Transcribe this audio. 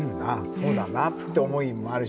そうだなって思いもあるし。